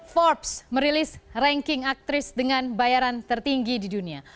forbes merilis ranking aktris dengan bayaran tertinggi di dunia